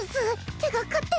手が勝手に。